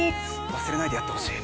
忘れないでやってほしい。